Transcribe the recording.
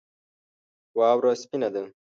واوره سپینه ده